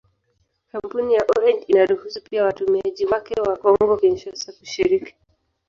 Kampuni ya Orange inaruhusu pia watumiaji wake wa Kongo-Kinshasa kushiriki.